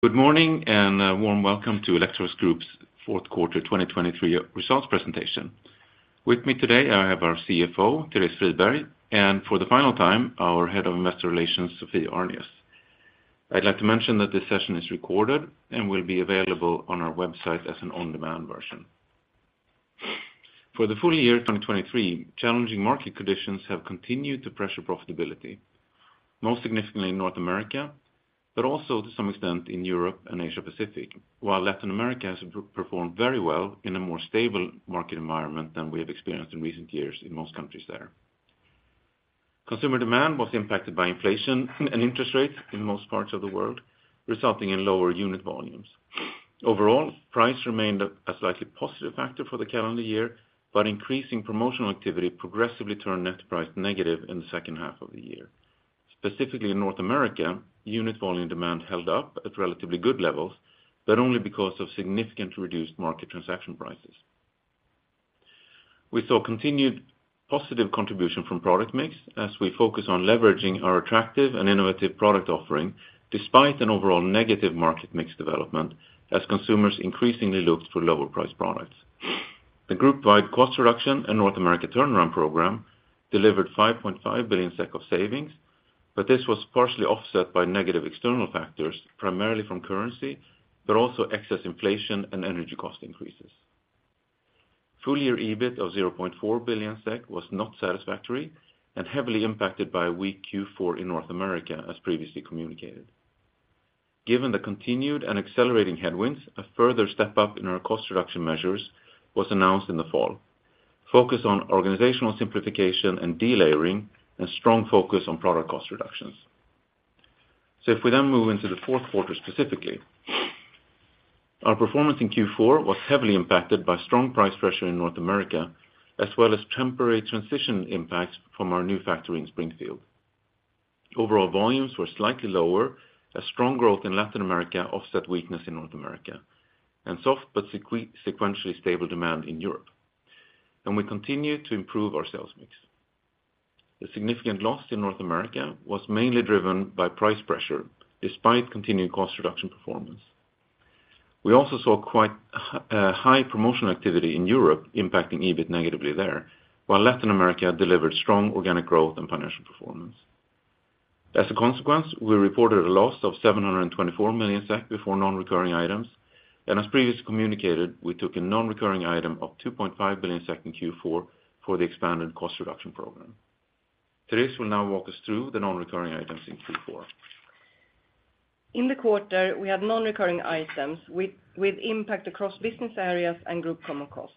Good morning, and a warm welcome to Electrolux Group's fourth quarter 2023 results presentation. With me today, I have our CFO, Therese Friberg, and for the final time, our Head of Investor Relations, Sophie Arnius. I'd like to mention that this session is recorded and will be available on our website as an on-demand version. For the full year 2023, challenging market conditions have continued to pressure profitability, most significantly in North America, but also to some extent in Europe and Asia Pacific, while Latin America has performed very well in a more stable market environment than we have experienced in recent years in most countries there. Consumer demand was impacted by inflation and interest rates in most parts of the world, resulting in lower unit volumes. Overall, price remained a slightly positive factor for the calendar year, but increasing promotional activity progressively turned net price negative in the second half of the year. Specifically in North America, unit volume demand held up at relatively good levels, but only because of significant reduced market transaction prices. We saw continued positive contribution from product mix as we focus on leveraging our attractive and innovative product offering, despite an overall negative market mix development as consumers increasingly looked for lower-priced products. The group-wide cost reduction and North America turnaround program delivered 5.5 billion SEK of savings, but this was partially offset by negative external factors, primarily from currency, but also excess inflation and energy cost increases. Full year EBIT of 0.4 billion SEK was not satisfactory and heavily impacted by a weak Q4 in North America, as previously communicated. Given the continued and accelerating headwinds, a further step up in our cost reduction measures was announced in the fall. Focus on organizational simplification and delayering, and strong focus on product cost reductions. So if we then move into the fourth quarter specifically, our performance in Q4 was heavily impacted by strong price pressure in North America, as well as temporary transition impacts from our new factory in Springfield. Overall volumes were slightly lower, as strong growth in Latin America offset weakness in North America, and soft but sequentially stable demand in Europe. We continued to improve our sales mix. The significant loss in North America was mainly driven by price pressure, despite continued cost reduction performance. We also saw quite high promotional activity in Europe impacting EBIT negatively there, while Latin America delivered strong organic growth and financial performance. As a consequence, we reported a loss of 724 million SEK before non-recurring items, and as previously communicated, we took a non-recurring item of 2.5 billion SEK in Q4 for the expanded cost reduction program. Therese will now walk us through the non-recurring items in Q4. In the quarter, we had non-recurring items with impact across business areas and group common costs.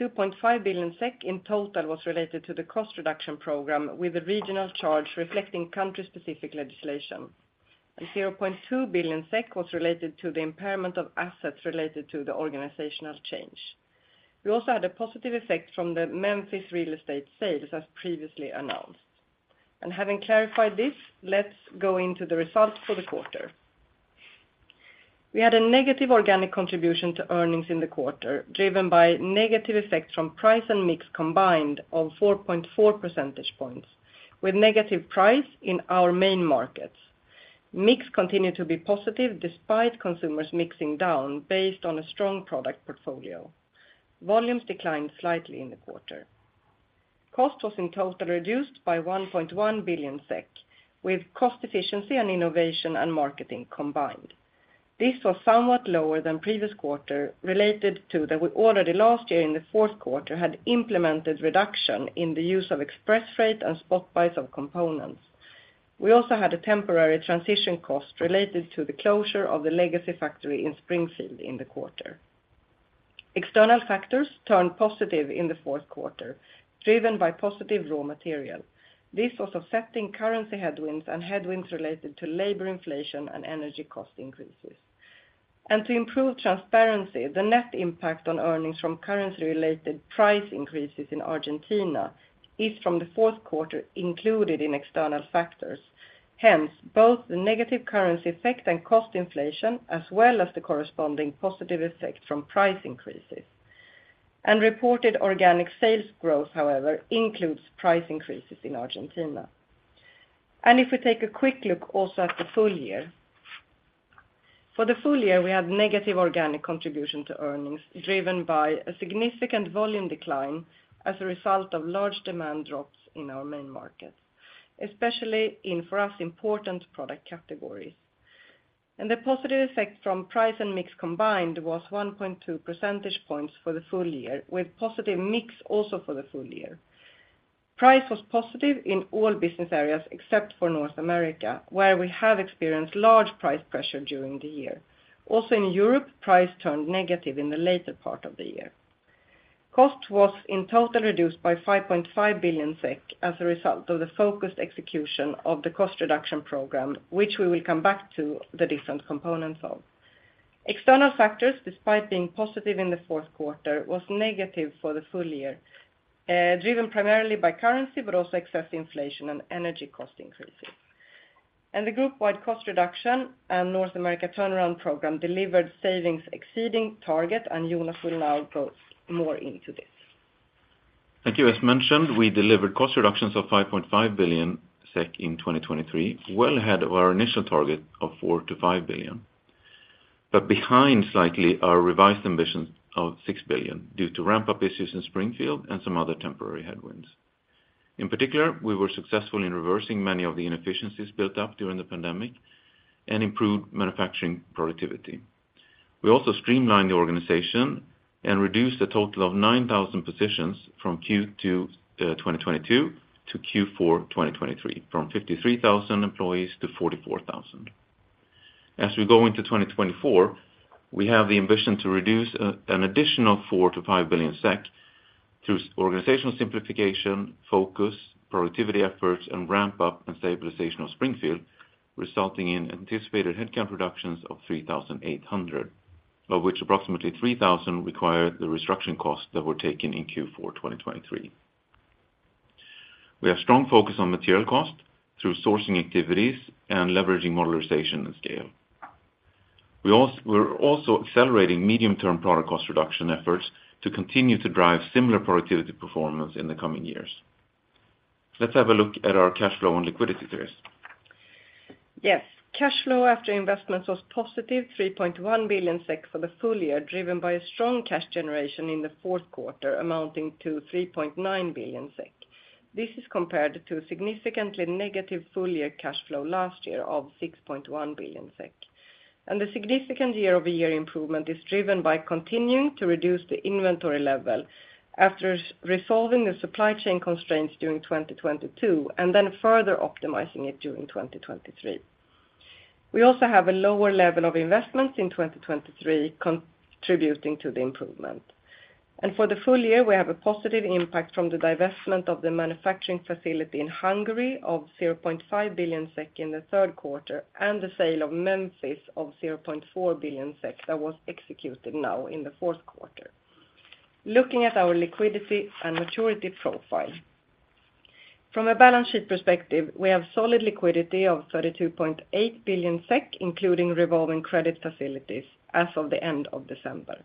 2.5 billion SEK in total was related to the cost reduction program, with a regional charge reflecting country-specific legislation. 0.2 billion SEK was related to the impairment of assets related to the organizational change. We also had a positive effect from the Memphis real estate sales, as previously announced. Having clarified this, let's go into the results for the quarter. We had a negative organic contribution to earnings in the quarter, driven by negative effects from price and mix combined of 4.4 percentage points, with negative price in our main markets. Mix continued to be positive, despite consumers mixing down based on a strong product portfolio. Volumes declined slightly in the quarter. Cost was in total reduced by 1.1 billion SEK, with cost efficiency and innovation and marketing combined. This was somewhat lower than previous quarter, related to that we already last year in the fourth quarter had implemented reduction in the use of express freight and spot buys of components. We also had a temporary transition cost related to the closure of the legacy factory in Springfield in the quarter. External factors turned positive in the fourth quarter, driven by positive raw material. This was offsetting currency headwinds and headwinds related to labor inflation and energy cost increases. And to improve transparency, the net impact on earnings from currency-related price increases in Argentina is from the fourth quarter included in external factors. Hence, both the negative currency effect and cost inflation, as well as the corresponding positive effect from price increases. Reported organic sales growth, however, includes price increases in Argentina. If we take a quick look also at the full year. For the full year, we had negative organic contribution to earnings, driven by a significant volume decline as a result of large demand drops in our main markets, especially in, for us, important product categories. The positive effect from price and mix combined was 1.2 percentage points for the full year, with positive mix also for the full year. Price was positive in all business areas except for North America, where we have experienced large price pressure during the year. Also, in Europe, price turned negative in the later part of the year. Cost was in total reduced by 5.5 billion SEK as a result of the focused execution of the cost reduction program, which we will come back to the different components of. External factors, despite being positive in the fourth quarter, was negative for the full year, driven primarily by currency, but also excess inflation and energy cost increases. And the group-wide cost reduction and North America turnaround program delivered savings exceeding target, and Jonas will now go more into this. Thank you. As mentioned, we delivered cost reductions of 5.5 billion SEK in 2023, well ahead of our initial target of 4 billion-5 billion, but behind slightly our revised ambitions of 6 billion due to ramp-up issues in Springfield and some other temporary headwinds. In particular, we were successful in reversing many of the inefficiencies built up during the pandemic and improved manufacturing productivity. We also streamlined the organization and reduced a total of 9,000 positions from Q2 2022-Q4 2023, from 53,000 employees to 44,000. As we go into 2024, we have the ambition to reduce an additional 4 billion-5 billion SEK through organizational simplification, focus, productivity efforts, and ramp up and stabilization of Springfield, resulting in anticipated headcount reductions of 3,800, of which approximately 3,000 required the restructuring costs that were taken in Q4 2023. We have strong focus on material cost through sourcing activities and leveraging modularization and scale. We're also accelerating medium-term product cost reduction efforts to continue to drive similar productivity performance in the coming years. Let's have a look at our cash flow and liquidity, Therese. Yes, cash flow after investment was positive, 3.1 billion SEK for the full year, driven by a strong cash generation in the fourth quarter, amounting to 3.9 billion SEK. This is compared to a significantly negative full year cash flow last year of 6.1 billion SEK. The significant year-over-year improvement is driven by continuing to reduce the inventory level after resolving the supply chain constraints during 2022, and then further optimizing it during 2023. We also have a lower level of investments in 2023, contributing to the improvement. For the full year, we have a positive impact from the divestment of the manufacturing facility in Hungary of 0.5 billion SEK in the third quarter, and the sale of Memphis of 0.4 billion SEK that was executed now in the fourth quarter. Looking at our liquidity and maturity profile. From a balance sheet perspective, we have solid liquidity of 32.8 billion SEK, including revolving credit facilities as of the end of December.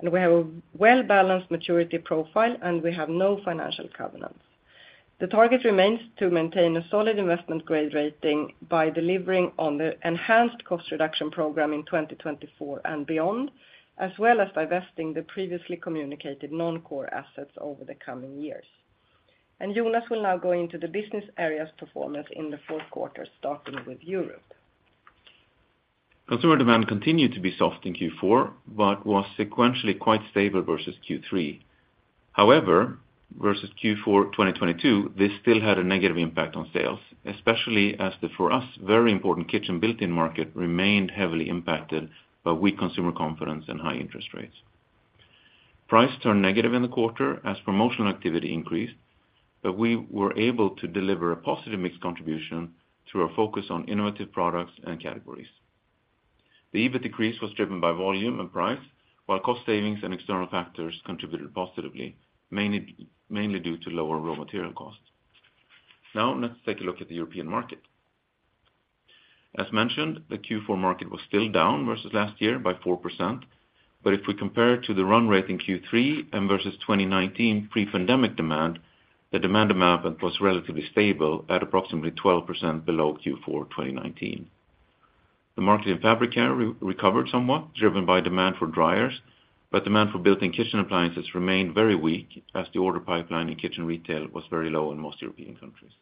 We have a well-balanced maturity profile, and we have no financial covenants. The target remains to maintain a solid investment grade rating by delivering on the enhanced cost reduction program in 2024 and beyond, as well as divesting the previously communicated non-core assets over the coming years. Jonas will now go into the business areas performance in the fourth quarter, starting with Europe. Consumer demand continued to be soft in Q4, but was sequentially quite stable versus Q3. However, versus Q4 2022, this still had a negative impact on sales, especially as the, for us, very important kitchen built-in market remained heavily impacted by weak consumer confidence and high interest rates. Price turned negative in the quarter as promotional activity increased, but we were able to deliver a positive mix contribution through our focus on innovative products and categories. The EBIT decrease was driven by volume and price, while cost savings and external factors contributed positively, mainly due to lower raw material costs. Now, let's take a look at the European market. As mentioned, the Q4 market was still down versus last year by 4%, but if we compare it to the run rate in Q3 and versus 2019 pre-pandemic demand, the demand amount was relatively stable at approximately 12% below Q4 2019. The market in fabric care recovered somewhat, driven by demand for dryers, but demand for built-in kitchen appliances remained very weak as the order pipeline in kitchen retail was very low in most European countries.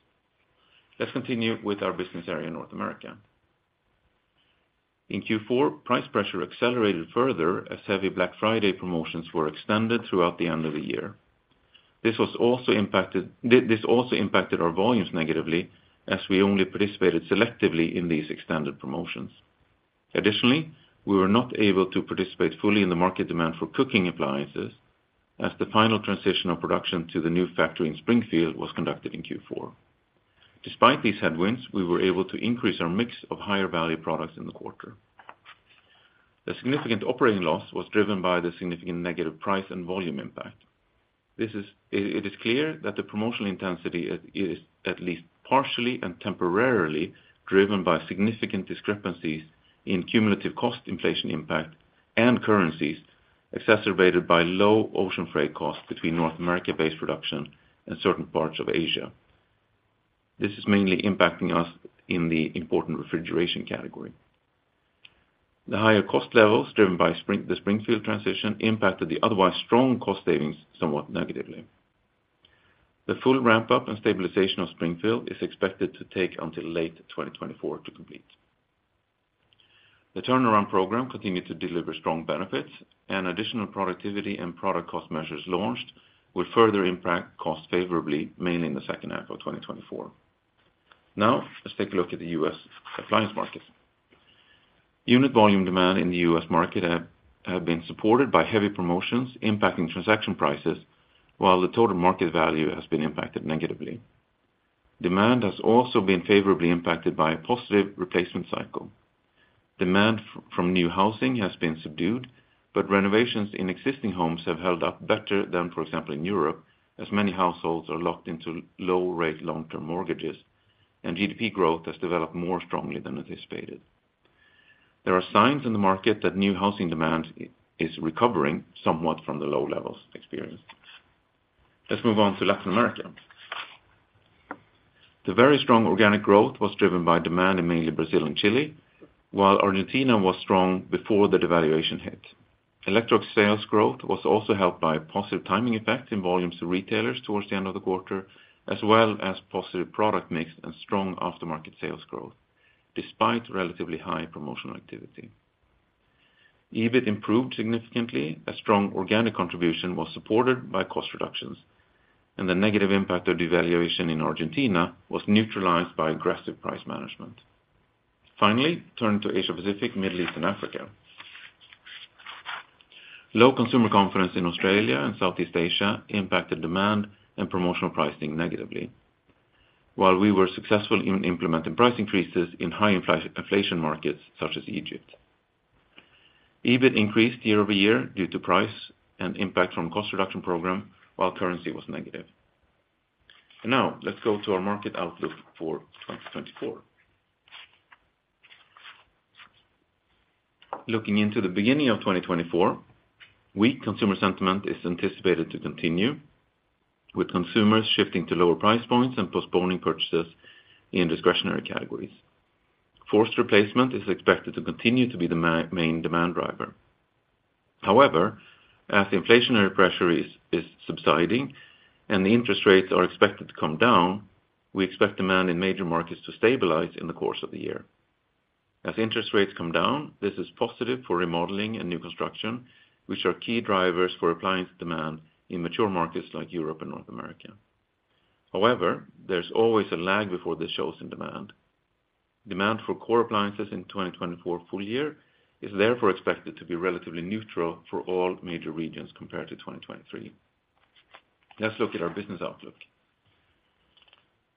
Let's continue with our business area in North America. In Q4, price pressure accelerated further as heavy Black Friday promotions were extended throughout the end of the year. This also impacted our volumes negatively, as we only participated selectively in these extended promotions. Additionally, we were not able to participate fully in the market demand for cooking appliances, as the final transition of production to the new factory in Springfield was conducted in Q4. Despite these headwinds, we were able to increase our mix of higher value products in the quarter. The significant operating loss was driven by the significant negative price and volume impact. This is clear that the promotional intensity is at least partially and temporarily driven by significant discrepancies in cumulative cost inflation impact and currencies, exacerbated by low ocean freight costs between North America-based production and certain parts of Asia. This is mainly impacting us in the important refrigeration category. The higher cost levels, driven by the Springfield transition, impacted the otherwise strong cost savings somewhat negatively. The full ramp-up and stabilization of Springfield is expected to take until late 2024 to complete. The turnaround program continued to deliver strong benefits, and additional productivity and product cost measures launched will further impact cost favorably, mainly in the second half of 2024. Now, let's take a look at the U.S. appliance market. Unit volume demand in the U.S. market have been supported by heavy promotions impacting transaction prices, while the total market value has been impacted negatively. Demand has also been favorably impacted by a positive replacement cycle. Demand from new housing has been subdued, but renovations in existing homes have held up better than, for example, in Europe, as many households are locked into low-rate long-term mortgages, and GDP growth has developed more strongly than anticipated.... There are signs in the market that new housing demand is recovering somewhat from the low levels experienced. Let's move on to Latin America. The very strong organic growth was driven by demand in mainly Brazil and Chile, while Argentina was strong before the devaluation hit. Electrolux sales growth was also helped by a positive timing effect in volumes to retailers towards the end of the quarter, as well as positive product mix and strong aftermarket sales growth, despite relatively high promotional activity. EBIT improved significantly, a strong organic contribution was supported by cost reductions, and the negative impact of devaluation in Argentina was neutralized by aggressive price management. Finally, turning to Asia Pacific, Middle East, and Africa. Low consumer confidence in Australia and Southeast Asia impacted demand and promotional pricing negatively. While we were successful in implementing price increases in high-inflation markets such as Egypt. EBIT increased year-over-year due to price and impact from cost reduction program, while currency was negative. Now, let's go to our market outlook for 2024. Looking into the beginning of 2024, weak consumer sentiment is anticipated to continue, with consumers shifting to lower price points and postponing purchases in discretionary categories. Forced replacement is expected to continue to be the main demand driver. However, as the inflationary pressure is subsiding and the interest rates are expected to come down, we expect demand in major markets to stabilize in the course of the year. As interest rates come down, this is positive for remodeling and new construction, which are key drivers for appliance demand in mature markets like Europe and North America. However, there's always a lag before this shows in demand. Demand for core appliances in 2024 full year is therefore expected to be relatively neutral for all major regions compared to 2023. Let's look at our business outlook.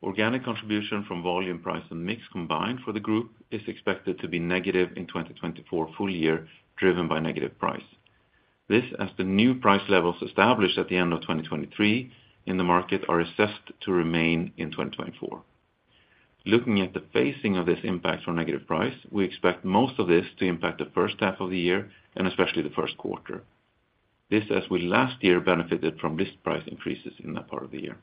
Organic contribution from volume, price, and mix combined for the group is expected to be negative in 2024 full year, driven by negative price. This, as the new price levels established at the end of 2023 in the market, are assessed to remain in 2024. Looking at the phasing of this impact on negative price, we expect most of this to impact the first half of the year, and especially the first quarter. This, as we last year benefited from these price increases in that part of the year.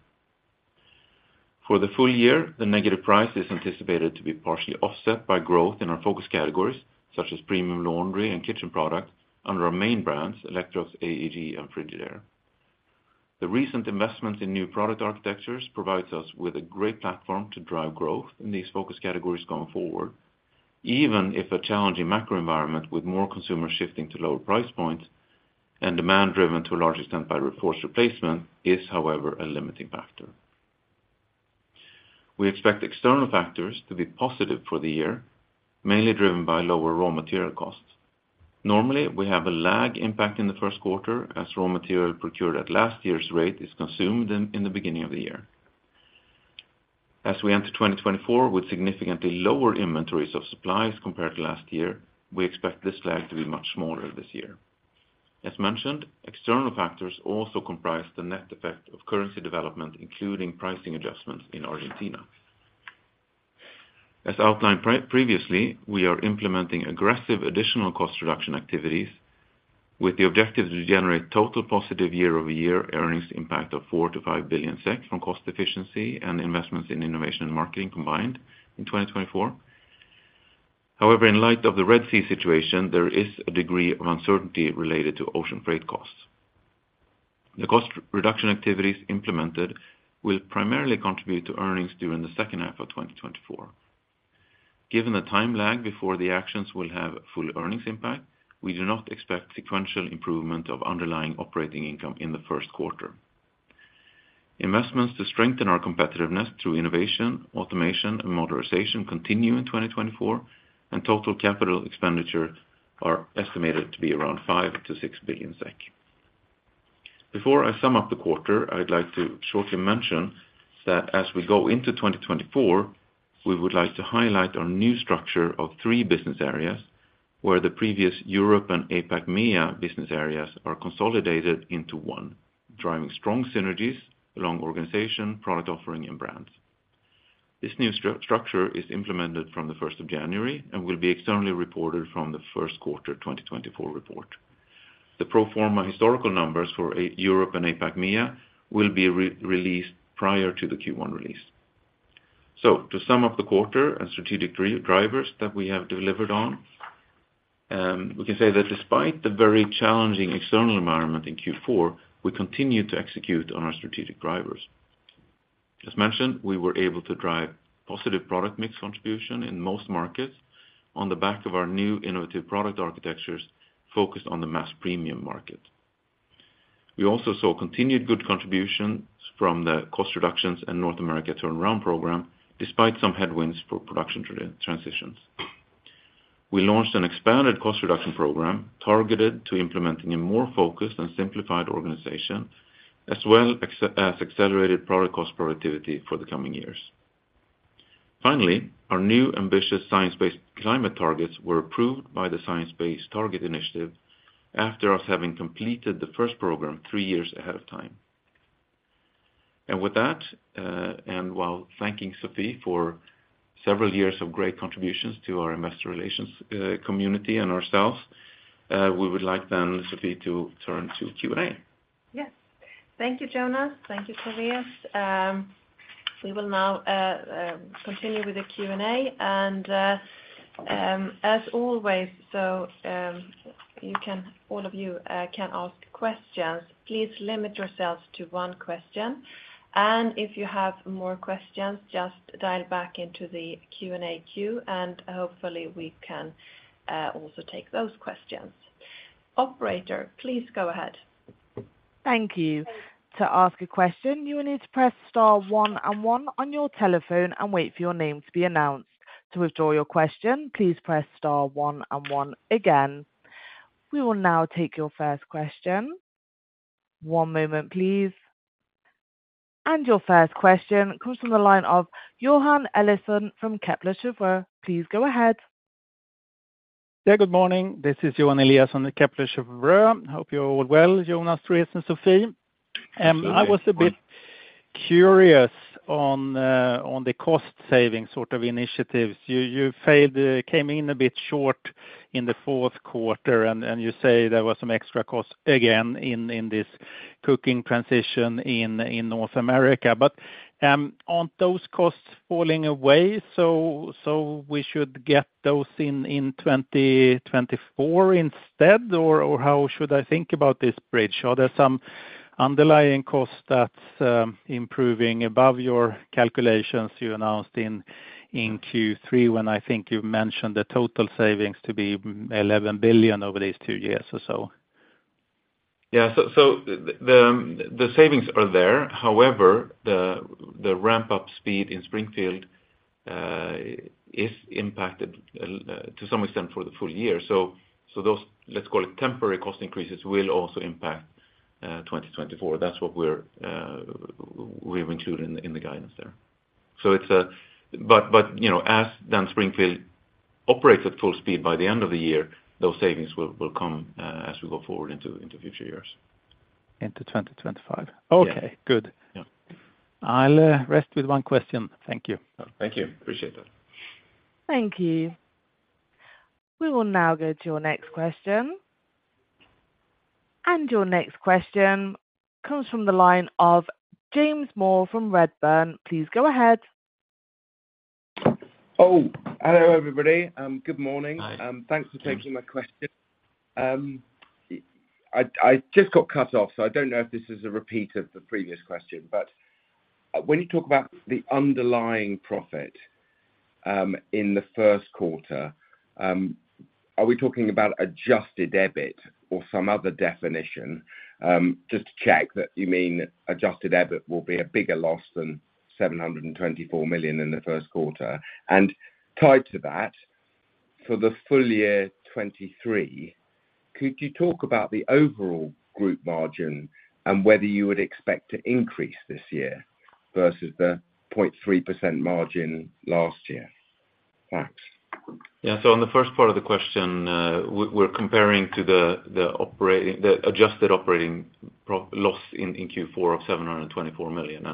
For the full year, the negative price is anticipated to be partially offset by growth in our focus categories, such as premium laundry and kitchen products, under our main brands, Electrolux, AEG, and Frigidaire. The recent investment in new product architectures provides us with a great platform to drive growth in these focus categories going forward, even if a challenging macro environment with more consumers shifting to lower price points and demand driven to a large extent by forced replacement is, however, a limiting factor. We expect external factors to be positive for the year, mainly driven by lower raw material costs. Normally, we have a lag impact in the first quarter, as raw material procured at last year's rate is consumed in the beginning of the year. As we enter 2024 with significantly lower inventories of supplies compared to last year, we expect this lag to be much smaller this year. As mentioned, external factors also comprise the net effect of currency development, including pricing adjustments in Argentina. As outlined previously, we are implementing aggressive additional cost reduction activities with the objective to generate total positive year-over-year earnings impact of 4 billion-5 billion SEK from cost efficiency and investments in innovation and marketing combined in 2024. However, in light of the Red Sea situation, there is a degree of uncertainty related to ocean freight costs. The cost reduction activities implemented will primarily contribute to earnings during the second half of 2024. Given the time lag before the actions will have full earnings impact, we do not expect sequential improvement of underlying operating income in the first quarter. Investments to strengthen our competitiveness through innovation, automation, and modernization continue in 2024, and total capital expenditure are estimated to be around 5 billion-6 billion SEK. Before I sum up the quarter, I'd like to shortly mention that as we go into 2024, we would like to highlight our new structure of three business areas, where the previous Europe and APAC, MEA business areas are consolidated into one, driving strong synergies along organization, product offering, and brands. This new structure is implemented from the first of January and will be externally reported from the first quarter 2024 report. The pro forma historical numbers for Europe and APAC, MEA will be released prior to the Q1 release. So to sum up the quarter and strategic drivers that we have delivered on, we can say that despite the very challenging external environment in Q4, we continue to execute on our strategic drivers. As mentioned, we were able to drive positive product mix contribution in most markets on the back of our new innovative product architectures focused on the mass premium market. We also saw continued good contributions from the cost reductions and North America turnaround program, despite some headwinds for production transitions. We launched an expanded cost reduction program targeted to implementing a more focused and simplified organization, as well as accelerated product cost productivity for the coming years. Finally, our new ambitious science-based climate targets were approved by the Science Based Targets initiative after us having completed the first program three years ahead of time. And with that, and while thanking Sophie for several years of great contributions to our investor relations community and ourselves, we would like then, Sophie, to turn to Q&A. Yes. Thank you, Jonas. Thank you, Therese. We will now continue with the Q&A, and, as always, so, you can—all of you, can ask questions. Please limit yourselves to one question, and if you have more questions, just dial back into the Q&A queue, and hopefully, we can also take those questions. Operator, please go ahead. Thank you. To ask a question, you will need to press star one and one on your telephone and wait for your name to be announced. To withdraw your question, please press star one and one again. We will now take your first question. One moment, please. And your first question comes from the line of Johan Eliason from Kepler Cheuvreux. Please go ahead. Yeah, good morning. This is Johan Eliason, the Kepler Cheuvreux. Hope you're all well, Jonas, Therese and Sophie. I was a bit curious on the, on the cost savings sort of initiatives. You came in a bit short in the fourth quarter, and you say there was some extra costs again in this cooking transition in North America. But aren't those costs falling away, so we should get those in 2024 instead, or how should I think about this bridge? Are there some underlying costs that's improving above your calculations you announced in Q3, when I think you mentioned the total savings to be 11 billion over these two years or so? Yeah. So the savings are there. However, the ramp-up speed in Springfield is impacted to some extent for the full year. So those, let's call it, temporary cost increases will also impact 2024. That's what we've included in the guidance there. So it's a... But you know, as then Springfield operates at full speed, by the end of the year, those savings will come as we go forward into future years. Into 2025. Yeah.Okay, good. Yeah. I'll rest with one question. Thank you. Thank you. Appreciate that. Thank you. We will now go to your next question. Your next question comes from the line of James Moore from Redburn. Please go ahead. Oh, hello, everybody, good morning. Hi. Thanks for taking my question. I just got cut off, so I don't know if this is a repeat of the previous question, but when you talk about the underlying profit, in the first quarter, are we talking about adjusted EBIT or some other definition? Just to check that you mean adjusted EBIT will be a bigger loss than 724 million in the first quarter. And tied to that, for the full year 2023, could you talk about the overall group margin and whether you would expect to increase this year versus the 0.3% margin last year? Thanks. Yeah. So on the first part of the question, we're comparing to the operating... the adjusted operating loss in Q4 of 724 million,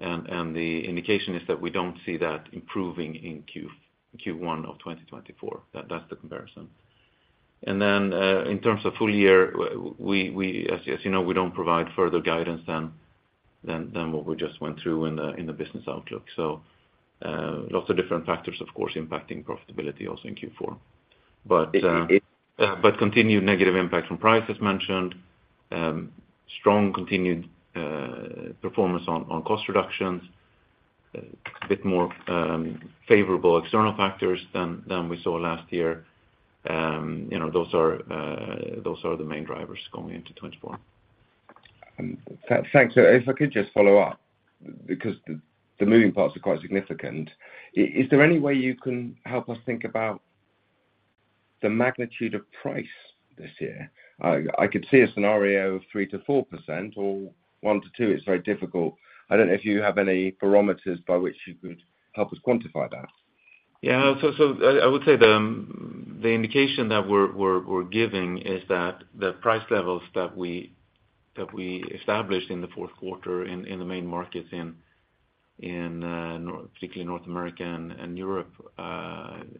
and the indication is that we don't see that improving in Q1 of 2024. That's the comparison. And then, in terms of full year, we, as you know, we don't provide further guidance than what we just went through in the business outlook. So, lots of different factors, of course, impacting profitability also in Q4. But, continued negative impact from price, as mentioned, strong continued performance on cost reductions, bit more favorable external factors than we saw last year. You know, those are the main drivers going into 2024. Thanks. So if I could just follow up, because the moving parts are quite significant. Is there any way you can help us think about the magnitude of price this year? I could see a scenario of 3%-4% or 1%-2%. It's very difficult. I don't know if you have any barometers by which you could help us quantify that. Yeah, so I would say the indication that we're giving is that the price levels that we established in the fourth quarter in the main markets, particularly North America and Europe,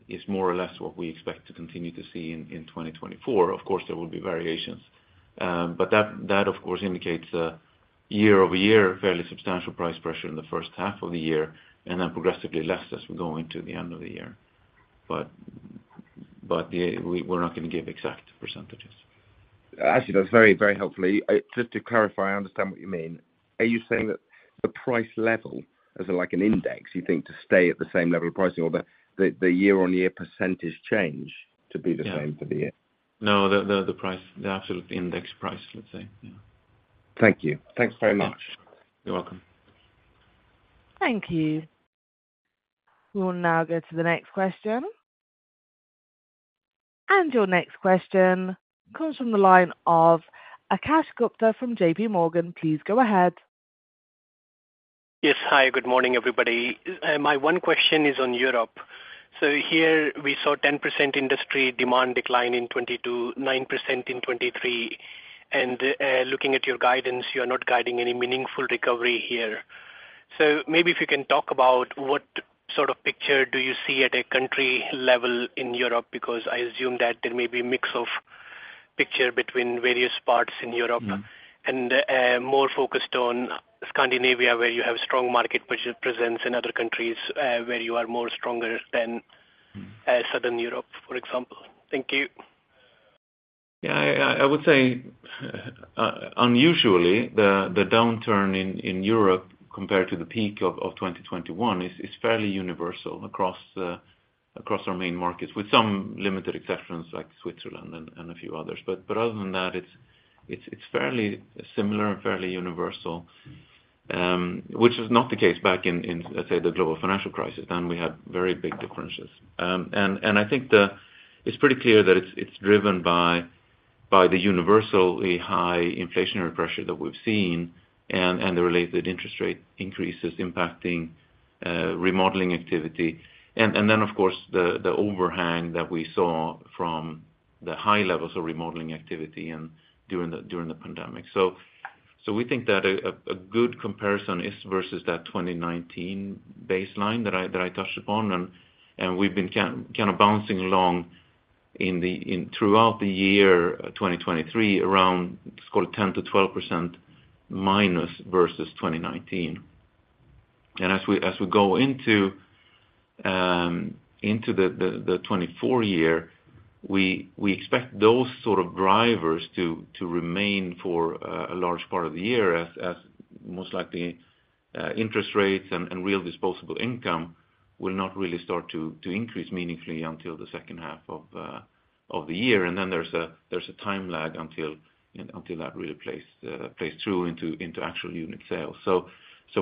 is more or less what we expect to continue to see in 2024. Of course, there will be variations, but that of course indicates a year-over-year, fairly substantial price pressure in the first half of the year, and then progressively less as we go into the end of the year. But yeah, we're not going to give exact percentages. Actually, that's very, very helpful. Just to clarify, I understand what you mean. Are you saying that the price level, as like an index, you think to stay at the same level of pricing or the year-on-year percentage change to be the same for the year? No, the price, the absolute index price, let's say. Yeah. Thank you. Thanks very much. You're welcome. Thank you. We will now go to the next question. Your next question comes from the line of Akash Gupta from JP Morgan. Please go ahead. Yes. Hi, good morning, everybody. My one question is on Europe.So here we saw 10% industry demand decline in 2022, 9% in 2023, and looking at your guidance, you are not guiding any meaningful recovery here. So maybe if you can talk about what sort of picture do you see at a country level in Europe? Because I assume that there may be a mix of picture between various parts in Europe. Mm-hmm. More focused on Scandinavia, where you have strong market presence in other countries, where you are more stronger than Mm Southern Europe, for example. Thank you. Yeah, I would say unusually the downturn in Europe compared to the peak of 2021 is fairly universal across our main markets, with some limited exceptions like Switzerland and a few others. But other than that, it's fairly similar and fairly universal, which is not the case back in, let's say, the global financial crisis, then we had very big differences. And I think it's pretty clear that it's driven by the universally high inflationary pressure that we've seen and the related interest rate increases impacting remodeling activity. And then, of course, the overhang that we saw from the high levels of remodeling activity and during the pandemic. So, we think that a good comparison is versus that 2019 baseline that I touched upon, and we've been kind of bouncing along throughout the year 2023, around, let's call it 10%-12% minus versus 2019. And as we go into the 2024 year, we expect those sort of drivers to remain for a large part of the year, as most likely interest rates and real disposable income will not really start to increase meaningfully until the second half of the year. And then there's a time lag until that really plays through into actual unit sales. So,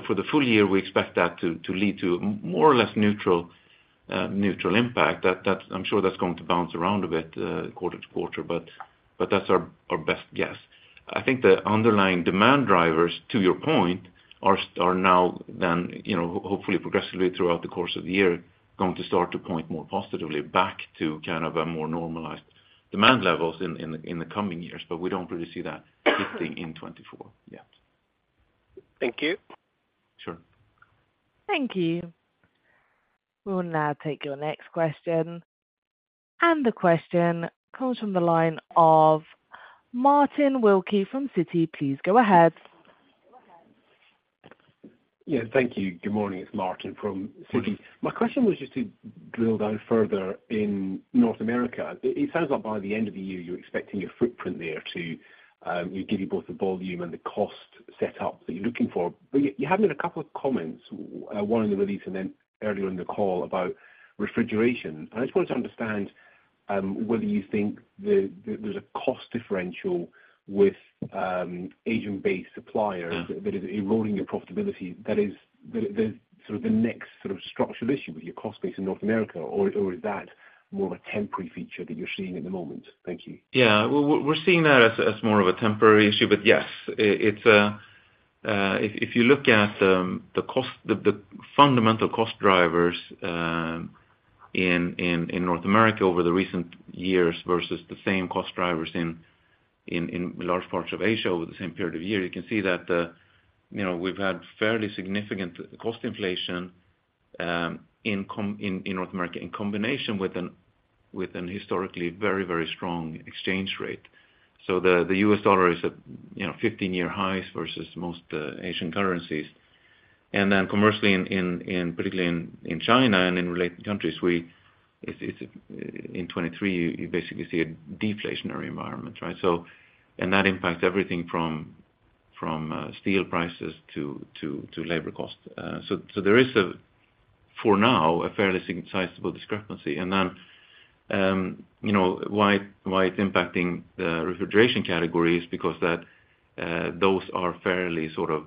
for the full year, we expect that to lead to more or less neutral impact. That's, I'm sure that's going to bounce around a bit, quarter to quarter, but that's our best guess. I think the underlying demand drivers, to your point, are now then, you know, hopefully progressively throughout the course of the year, going to start to point more positively back to kind of a more normalized demand levels in the coming years. But we don't really see that shifting in 2024 yet. Thank you. Sure. Thank you. We will now take your next question, and the question comes from the line of Martin Wilkie from Citi. Please go ahead. Yeah, thank you. Good morning, it's Martin from Citi. Morning. My question was just to drill down further in North America. It sounds like by the end of the year, you're expecting your footprint there to give you both the volume and the cost set up that you're looking for. But you have made a couple of comments, one in the release and then earlier in the call about refrigeration. And I just wanted to understand whether you think there's a cost differential with Asian-based suppliers Mm That is eroding your profitability, that is the sort of the next sort of structural issue with your cost base in North America, or is that more of a temporary feature that you're seeing at the moment? Thank you. Yeah, we're seeing that as more of a temporary issue, but yes, it's if you look at the fundamental cost drivers in North America over the recent years versus the same cost drivers in large parts of Asia over the same period of year, you can see that, you know, we've had fairly significant cost inflation in North America, in combination with an historically very strong exchange rate. So the U.S. dollar is at, you know, 15-year highs versus most Asian currencies. And then commercially, in particularly in China and in related countries, it's in 2023, you basically see a deflationary environment, right? So... And that impacts everything from steel prices to labor costs. So, there is, for now, a fairly sizable discrepancy. And then, you know, why it's impacting the refrigeration category is because those are fairly sort of,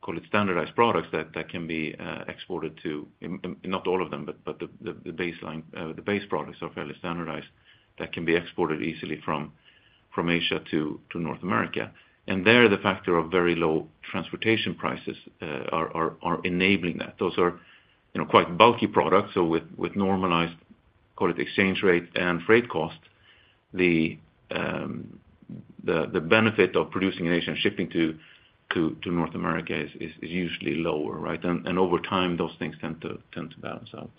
call it standardized products that can be exported to, not all of them, but the baseline, the base products are fairly standardized that can be exported easily from Asia to North America. And there, the factor of very low transportation prices are enabling that. Those are, you know, quite bulky products, so with normalized, call it exchange rate and freight cost, the benefit of producing in Asia and shipping to North America is usually lower, right? And over time, those things tend to balance out.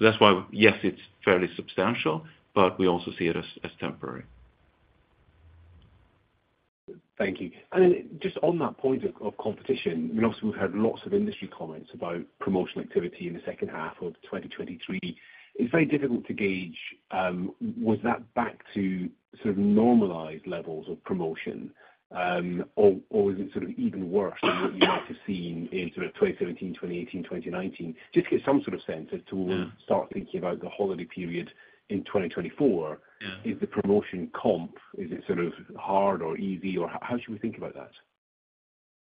That's why, yes, it's fairly substantial, but we also see it as, as temporary. Thank you. And then just on that point of competition, we obviously have heard lots of industry comments about promotional activity in the second half of 2023. It's very difficult to gauge, was that back to sort of normalized levels of promotion, or is it sort of even worse than what you might have seen in sort of 2017, 2018, 2019? Just to get some sort of sense as to Yeah Start thinking about the holiday period in 2024. Yeah. Is the promotion comp, is it sort of hard or easy, or how should we think about that?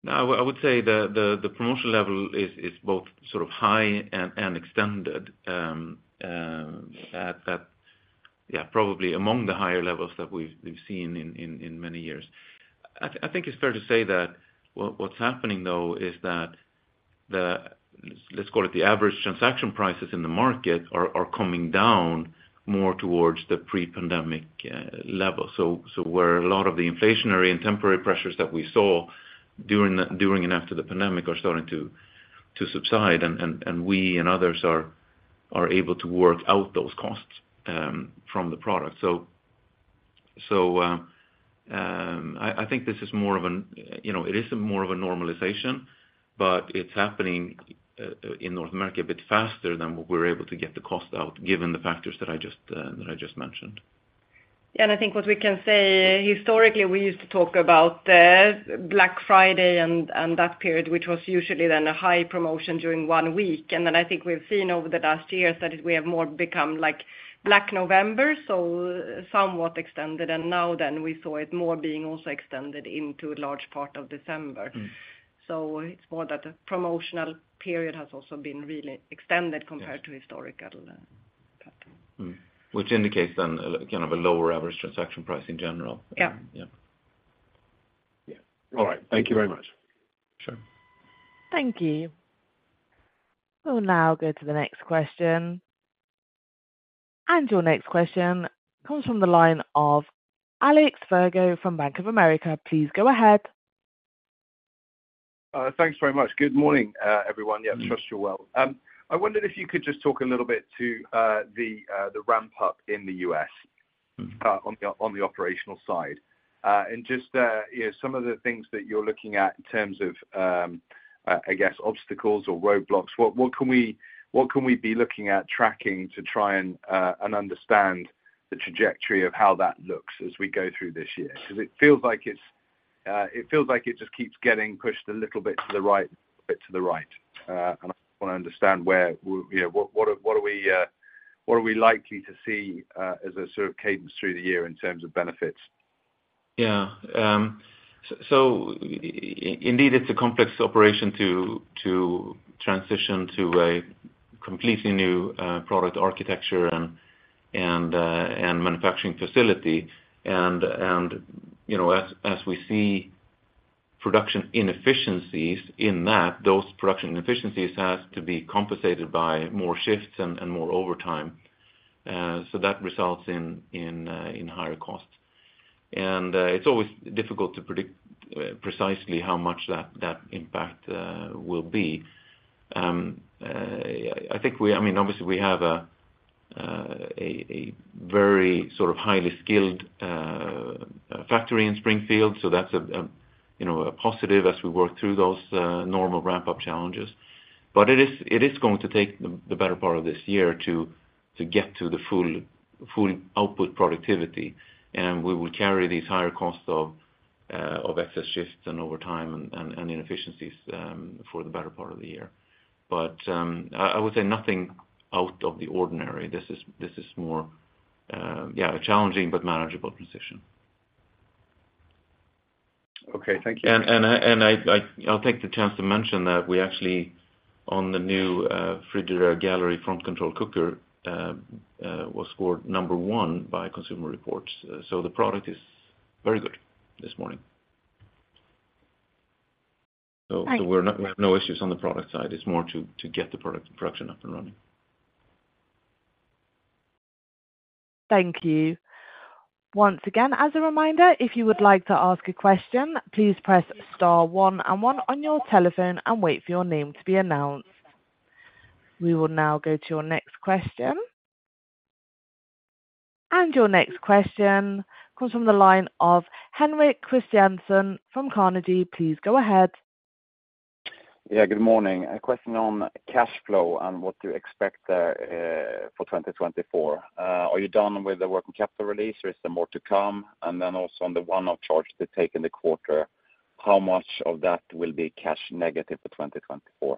No, I would say the promotion level is both sort of high and extended, yeah, probably among the higher levels that we've seen in many years. I think it's fair to say that what's happening though is that let's call it the average transaction prices in the market are coming down more towards the pre-pandemic level. So where a lot of the inflationary and temporary pressures that we saw during and after the pandemic are starting to subside, and we and others are able to work out those costs from the product. So, I think this is more of a, you know, it is more of a normalization, but it's happening in North America a bit faster than what we're able to get the cost out, given the factors that I just mentioned. Yeah, and I think what we can say, historically, we used to talk about Black Friday and that period, which was usually then a high promotion during one week. And then I think we've seen over the last years that we have more become like Black November, so somewhat extended. And now then, we saw it more being also extended into a large part of December. Mm. It's more that the promotional period has also been really extended. Yes compared to historical pattern. Mm. Which indicates then, kind of a lower average transaction price in general. Yeah. Yeah. Yeah. All right. Thank you very much. Sure. Thank you. We'll now go to the next question. Your next question comes from the line of Alex Virgo from Bank of America. Please go ahead. Thanks very much. Good morning, everyone. I trust you're well. I wondered if you could just talk a little bit to the ramp up in the U.S. Mm On the, on the operational side. And just, you know, some of the things that you're looking at in terms of, I guess, obstacles or roadblocks, what, what can we, what can we be looking at tracking to try and, and understand the trajectory of how that looks as we go through this year? Because it feels like it's, it feels like it just keeps getting pushed a little bit to the right, bit to the right. And I wanna understand where, you know, what, what are, what are we, what are we likely to see, as a sort of cadence through the year in terms of benefits? Yeah. So indeed, it's a complex operation to transition to a completely new product architecture and manufacturing facility. And you know, as we see production inefficiencies in that, those production inefficiencies has to be compensated by more shifts and more overtime, so that results in higher costs. And it's always difficult to predict precisely how much that impact will be. I think—I mean, obviously, we have a very sort of highly skilled factory in Springfield, so that's a you know, a positive as we work through those normal ramp-up challenges. But it is going to take the better part of this year to get to the full output productivity, and we will carry these higher costs of excess shifts and over time and inefficiencies for the better part of the year. But I would say nothing out of the ordinary. This is more yeah a challenging but manageable position. Okay, thank you. I'll take the chance to mention that we actually, on the new Frigidaire Gallery front control cooker, was scored number one by Consumer Reports. So the product is very good this morning. Thanks.We're not, we have no issues on the product side. It's more to, to get the product production up and running. Thank you. Once again, as a reminder, if you would like to ask a question, please press star one and one on your telephone and wait for your name to be announced. We will now go to your next question. Your next question comes from the line of Henrik Christiansen from Carnegie. Please go ahead. Yeah, good morning. A question on cash flow and what you expect for 2024. Are you done with the working capital release, or is there more to come? And then also on the one-off charge to take in the quarter, how much of that will be cash negative for 2024?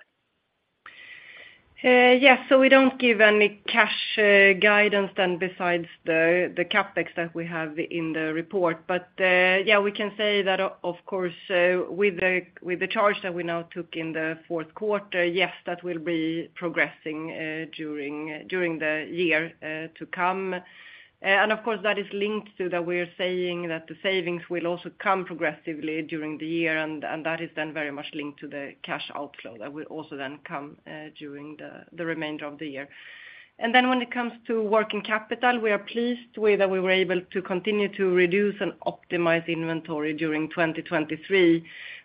Yes. So we don't give any cash guidance then besides the CapEx that we have in the report. But yeah, we can say that of course with the charge that we now took in the fourth quarter, yes, that will be progressing during the year to come. And of course, that is linked to that we're saying that the savings will also come progressively during the year, and that is then very much linked to the cash outflow. That will also then come during the remainder of the year. And then when it comes to working capital, we are pleased with that we were able to continue to reduce and optimize inventory during 2023.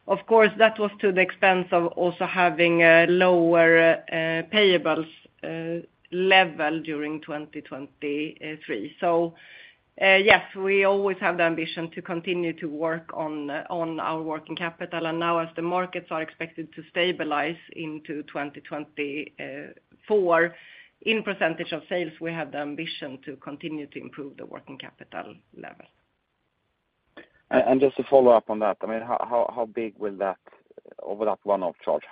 Of course, that was to the expense of also having a lower payables level during 2023. So yes, we always have the ambition to continue to work on our working capital. And now as the markets are expected to stabilize into 2024, in percentage of sales, we have the ambition to continue to improve the working capital level. And just to follow up on that, I mean, how big will that over that one-off charge,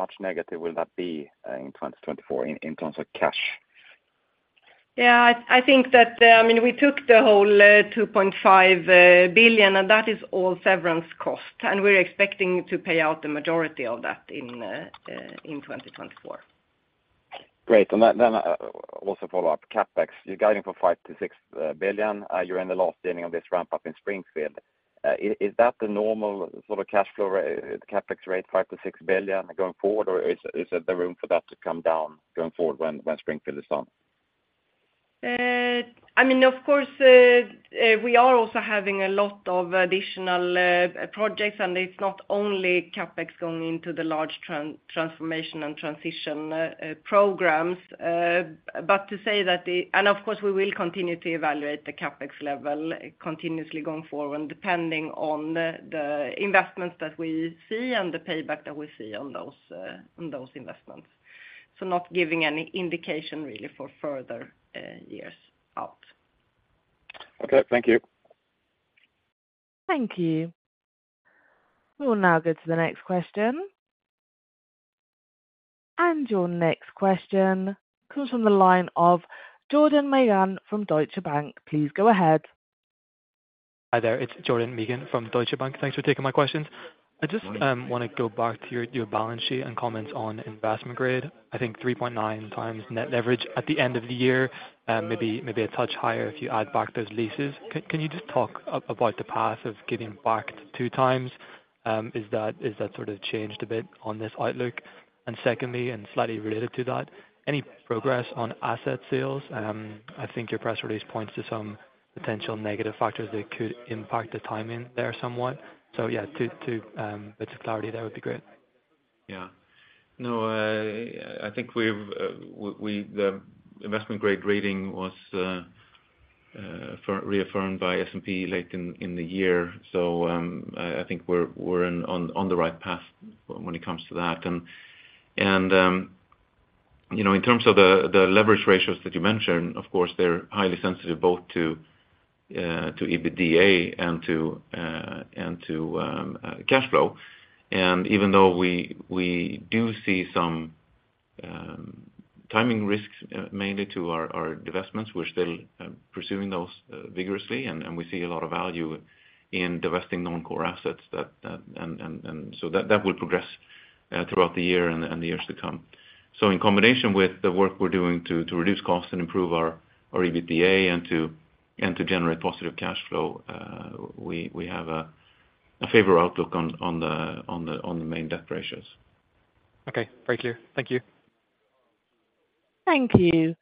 how much negative will that be in 2024 in terms of cash? Yeah, I think that, I mean, we took the whole 2.5 billion, and that is all severance cost, and we're expecting to pay out the majority of that in 2024. Great. And then, also follow up, CapEx, you're guiding for 5 billion-6 billion. You're in the last inning of this ramp up in Springfield. Is that the normal sort of cash flow CapEx rate, 5 billion-6 billion going forward, or is there room for that to come down going forward when Springfield is done? I mean, of course, we are also having a lot of additional projects, and it's not only CapEx going into the large transformation and transition programs. But to say that and of course, we will continue to evaluate the CapEx level continuously going forward, depending on the investments that we see and the payback that we see on those investments. So not giving any indication really for further years out. Okay, thank you. Thank you. We will now go to the next question. Your next question comes from the line of Jordan Magan from Deutsche Bank. Please go ahead. Hi there, it's Jordan Magan from Deutsche Bank. Thanks for taking my questions. I just want to go back to your balance sheet and comments on investment grade. I think 3.9x net leverage at the end of the year, maybe a touch higher if you add back those leases. Can you just talk about the path of getting back to 2x? Is that sort of changed a bit on this outlook? And secondly, and slightly related to that, any progress on asset sales? I think your press release points to some potential negative factors that could impact the timing there somewhat. So, yeah, to a bit of clarity, that would be great. Yeah. No, I think we've the investment grade rating was reaffirmed by S&P late in the year. So, I think we're on the right path when it comes to that. And, you know, in terms of the leverage ratios that you mentioned, of course, they're highly sensitive both to EBITDA and to cash flow. And even though we do see some timing risks, mainly to our divestments, we're still pursuing those vigorously, and we see a lot of value in divesting non-core assets that, that... And, so that will progress throughout the year and the years to come. So in combination with the work we're doing to reduce costs and improve our EBITDA and to generate positive cash flow, we have a favorable outlook on the main debt ratios. Okay, very clear. Thank you. Thank you.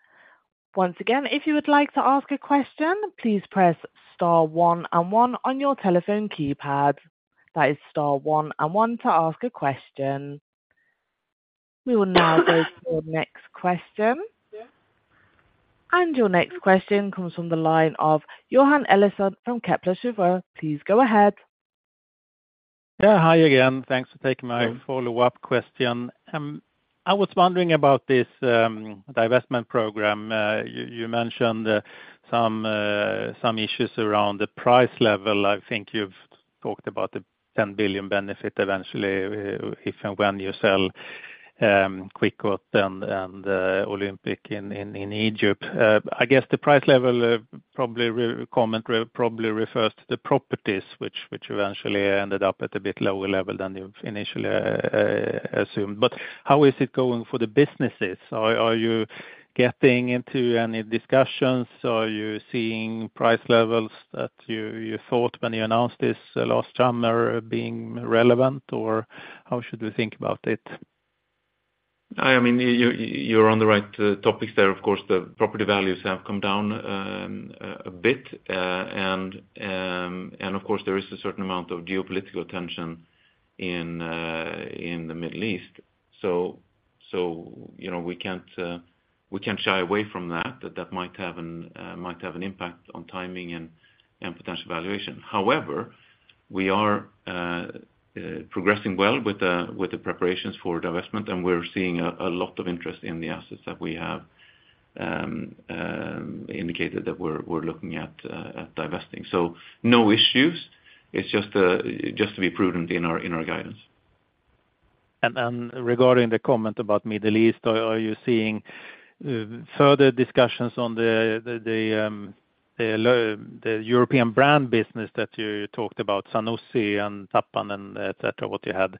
Once again, if you would like to ask a question, please press star one and one on your telephone keypad. That is star one and one to ask a question. We will now go to the next question. Your next question comes from the line of Johan Eliason from Kepler Cheuvreux. Please go ahead. Yeah, hi again. Thanks for taking my follow-up question. I was wondering about this divestment program. You mentioned some issues around the price level. I think you've talked about the 10 billion benefit eventually, if and when you sell Kwikot and Olympic in Egypt. I guess the price level probably refers to the properties which eventually ended up at a bit lower level than you initially assumed. But how is it going for the businesses? Are you getting into any discussions? Are you seeing price levels that you thought when you announced this last summer being relevant, or how should we think about it? I mean, you're on the right topics there. Of course, the property values have come down a bit, and of course, there is a certain amount of geopolitical tension in the Middle East. So, you know, we can't shy away from that, that might have an impact on timing and potential valuation. However, we are progressing well with the preparations for divestment, and we're seeing a lot of interest in the assets that we have indicated that we're looking at divesting. So no issues, it's just to be prudent in our guidance. Regarding the comment about Middle East, are you seeing further discussions on the European brand business that you talked about, Zanussi and Tappan and et cetera, what you had,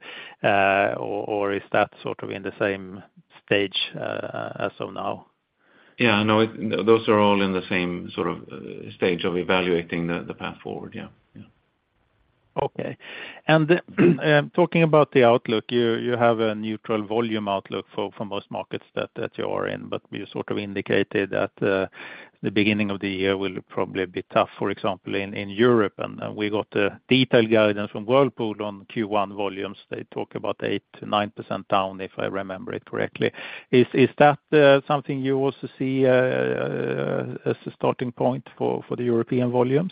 or is that sort of in the same stage as of now? Yeah, no, it... Those are all in the same sort of stage of evaluating the path forward. Yeah, yeah. Okay. And, talking about the outlook, you have a neutral volume outlook for most markets that you are in, but you sort of indicated that the beginning of the year will probably be tough, for example, in Europe. And, we got a detailed guidance from Whirlpool on Q1 volumes. They talk about 8%-9% down, if I remember it correctly. Is that something you also see as a starting point for the European volumes?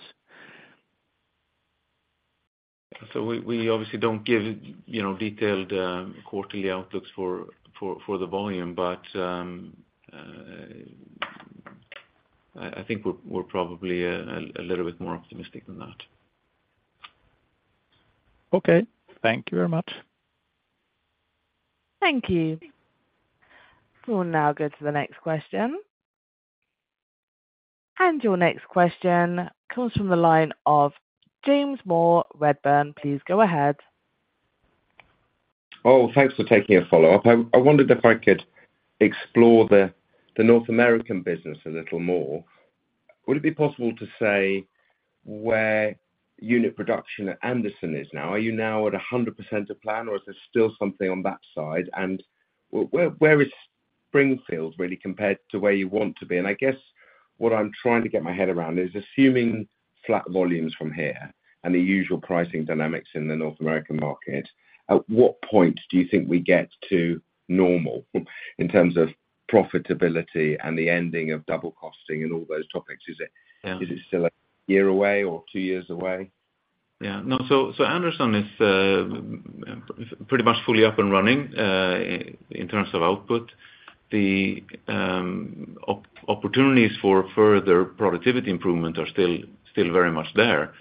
So we obviously don't give, you know, detailed quarterly outlooks for the volume. But I think we're probably a little bit more optimistic than that. Okay. Thank you very much. Thank you. We'll now go to the next question.... And your next question comes from the line of James Moore, Redburn, please go ahead. Oh, thanks for taking a follow-up. I wondered if I could explore the North American business a little more. Would it be possible to say where unit production at Anderson is now? Are you now at 100% of plan, or is there still something on that side? And where is Springfield really compared to where you want to be? And I guess what I'm trying to get my head around is, assuming flat volumes from here and the usual pricing dynamics in the North American market, at what point do you think we get to normal in terms of profitability and the ending of double costing and all those topics? Yeah. Is it still a year away or two years away? Yeah. No, so Anderson is pretty much fully up and running in terms of output. The opportunities for further productivity improvement are still very much there.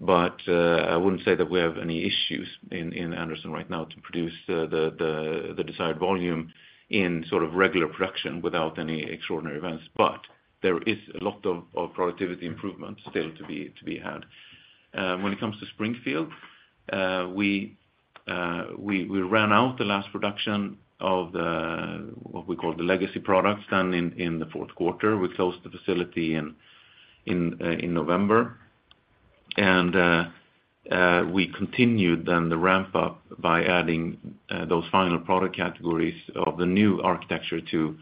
But I wouldn't say that we have any issues in Anderson right now to produce the desired volume in sort of regular production without any extraordinary events. But there is a lot of productivity improvements still to be had. When it comes to Springfield, we ran out the last production of what we call the legacy products, done in the fourth quarter. We closed the facility in November. And we continued then the ramp up by adding those final product categories of the new architecture to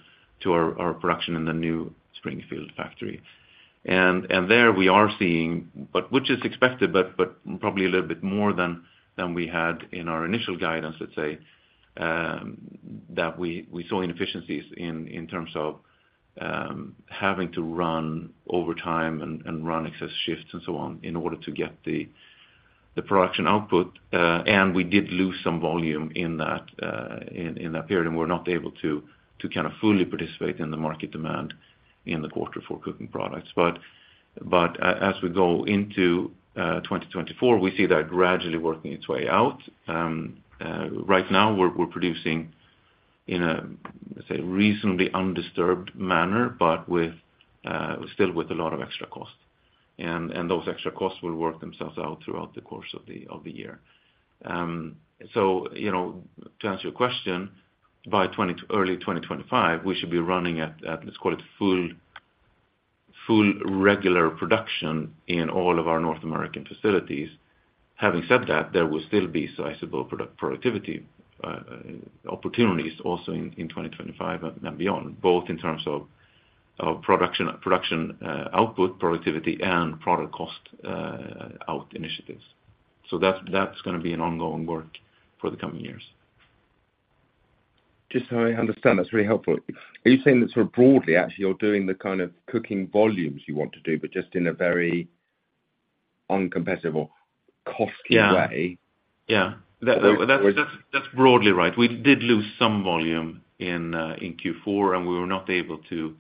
our production in the new Springfield factory. There we are seeing, but which is expected, but probably a little bit more than we had in our initial guidance, let's say, that we saw inefficiencies in terms of having to run over time and run excess shifts and so on, in order to get the production output. And we did lose some volume in that period, and we're not able to kind of fully participate in the market demand in the quarter for cooking products. But as we go into 2024, we see that gradually working its way out. Right now, we're producing in a, let's say, reasonably undisturbed manner, but with still a lot of extra cost. And those extra costs will work themselves out throughout the course of the year. So, you know, to answer your question, by early 2025, we should be running at, let's call it full regular production in all of our North American facilities. Having said that, there will still be sizable product productivity opportunities also in 2025 and beyond, both in terms of production output, productivity, and product cost-out initiatives. So that, that's gonna be an ongoing work for the coming years. Just so I understand, that's very helpful. Are you saying that sort of broadly, actually, you're doing the kind of cooking volumes you want to do, but just in a very incomparable, costly way? Yeah. Yeah, that's broadly right. We did lose some volume in Q4, and we were not able to.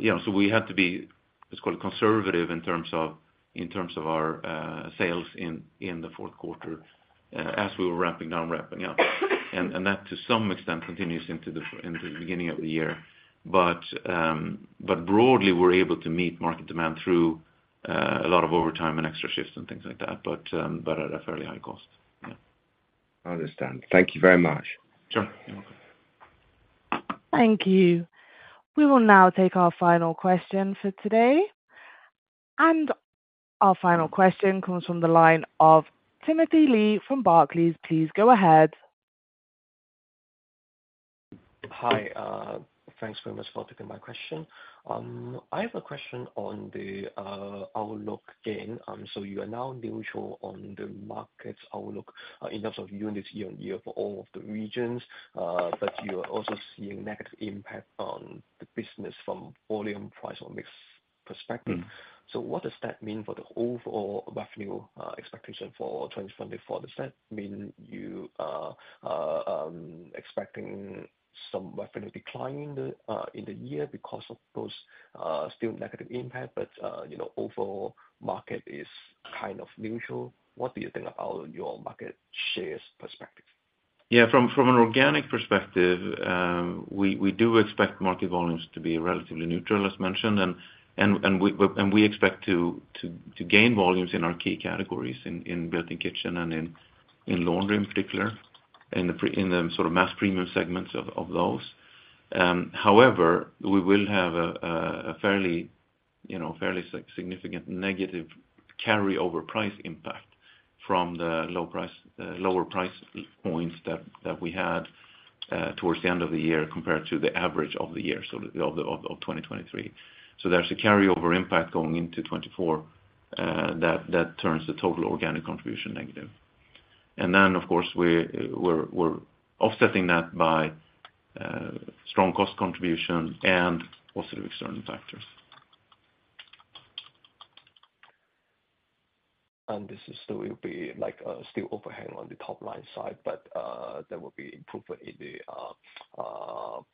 Yeah, so we had to be, let's call it, conservative in terms of our sales in the fourth quarter, as we were ramping down, ramping up. And that, to some extent, continues into the beginning of the year. But broadly, we're able to meet market demand through a lot of overtime and extra shifts and things like that, but at a fairly high cost. Yeah. I understand. Thank you very much. Sure. You're welcome. Thank you. We will now take our final question for today. Our final question comes from the line of Timothy Lee from Barclays. Please go ahead. Hi, thanks very much for taking my question. I have a question on the outlook gain. So you are now neutral on the markets outlook in terms of units year on year for all of the regions, but you are also seeing negative impact on the business from volume, price or mix perspective. Mm-hmm. So what does that mean for the overall revenue expectation for 2024? Does that mean you are expecting some revenue decline in the year because of those still negative impact, but you know, overall market is kind of neutral? What do you think about your market shares perspective? Yeah, from an organic perspective, we do expect market volumes to be relatively neutral, as mentioned, and we expect to gain volumes in our key categories, in built-in kitchen and in laundry in particular, in the sort of mass premium segments of those. However, we will have a fairly, you know, fairly significant negative carryover price impact from the low price, lower price points that we had towards the end of the year, compared to the average of the year, so of 2023. So there's a carryover impact going into 2024 that turns the total organic contribution negative. And then, of course, we're offsetting that by strong cost contribution and also the external factors. This is still will be like, still overhang on the top-line side, but there will be improvement in the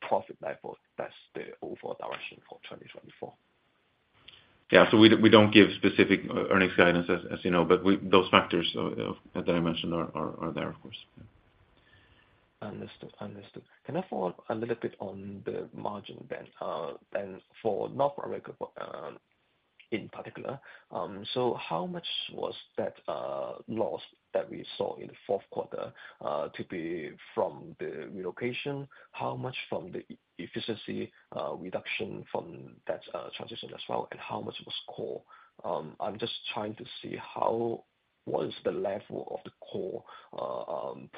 profit level. That's the overall direction for 2024? Yeah. So we don't give specific earnings guidance, as you know, but those factors that I mentioned are there, of course. Understood, understood. Can I follow up a little bit on the margin then and for North America in particular? So how much was that loss that we saw in the fourth quarter to be from the relocation? How much from the efficiency reduction from that transition as well, and how much was core? I'm just trying to see how what is the level of the core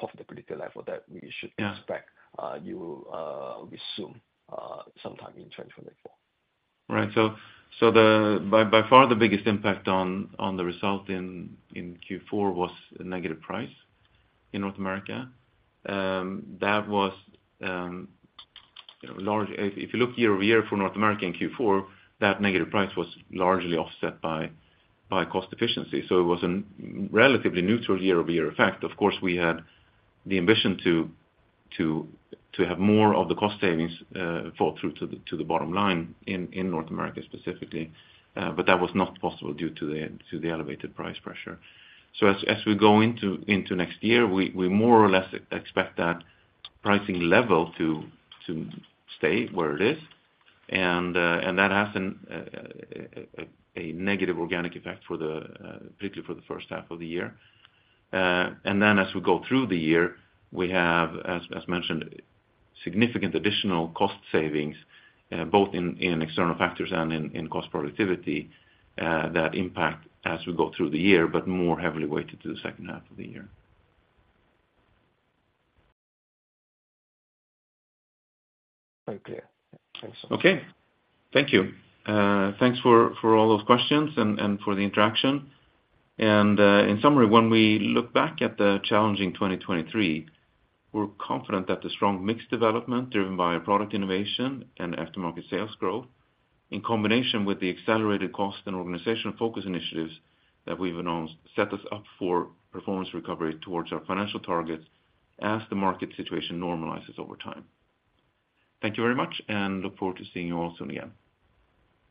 profitability level that we should- Yeah. expect you will resume sometime in 2024. Right. So the by far the biggest impact on the result in Q4 was a negative price in North America. That was, you know, if you look year-over-year for North America in Q4, that negative price was largely offset by cost efficiency, so it was a relatively neutral year-over-year effect. Of course, we had the ambition to have more of the cost savings fall through to the bottom line in North America, specifically, but that was not possible due to the elevated price pressure. So as we go into next year, we more or less expect that pricing level to stay where it is. That has a negative organic effect, particularly for the first half of the year. Then as we go through the year, we have, as mentioned, significant additional cost savings, both in external factors and in cost productivity, that impact as we go through the year, but more heavily weighted to the second half of the year. Very clear. Thanks. Okay. Thank you. Thanks for all those questions and for the interaction. And in summary, when we look back at the challenging 2023, we're confident that the strong mix development, driven by our product innovation and aftermarket sales growth, in combination with the accelerated cost and organizational focus initiatives that we've announced, set us up for performance recovery towards our financial targets as the market situation normalizes over time. Thank you very much, and look forward to seeing you all soon again.